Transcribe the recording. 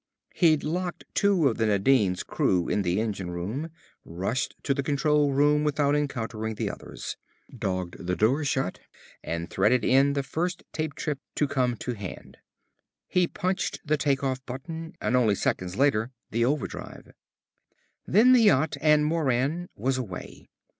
He'd locked two of the Nadine's crew in the engine room, rushed to the control room without encountering the others, dogged the door shut, and threaded in the first trip tape to come to hand. He punched the take off button and only seconds later the overdrive. Then the yacht and Moran was away.